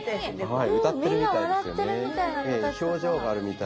はい！